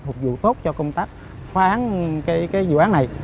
phục vụ tốt cho công tác phán cái dự án này